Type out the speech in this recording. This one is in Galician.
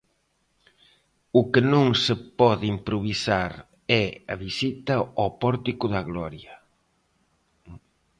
O que non se pode improvisar é a visita ao Pórtico da Gloria.